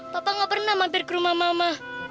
papa gak pernah mampir ke rumah mama